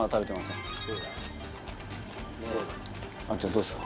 どうですか？